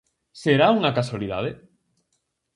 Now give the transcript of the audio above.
Será unha casualidade?